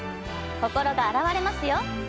心が洗われますよ！